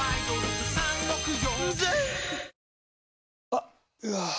あっ、うわー。